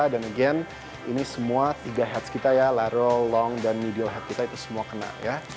dan again ini semua tiga heads kita ya lateral long dan middle head kita itu semua kena ya